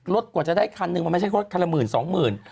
กว่าจะได้คันนึงมันไม่ใช่รถคันละหมื่นสองหมื่น